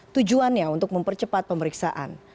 tujuannya untuk mempercepat pemeriksaan